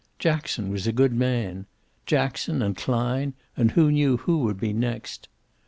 Jackson was a good man. Jackson and Klein, and who knew who would be next?